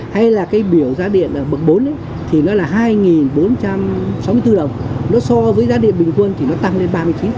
hay là cái biểu giá điện ở bậc bốn thì nó là hai bốn trăm sáu mươi bốn đồng nó so với giá điện bình quân thì nó tăng lên ba mươi chín